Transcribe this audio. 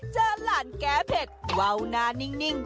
เจอหลานแก้เผ็ดเว้าวหน้านิ่ง